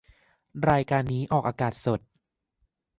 รายการนี้ออกอากาศสด